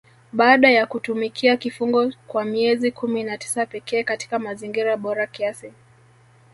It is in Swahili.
Baada ya kutumikia kifungo kwa miezi kumi na tisa pekee katika mazingira bora kiasi